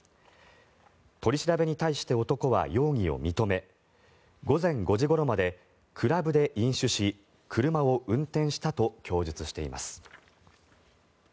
取り調べに対して男は容疑を認め午前５時ごろまでクラブで飲酒し車を運転したと供述しています。